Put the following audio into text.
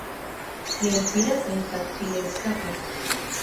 Tiel piratoj facile eskapas.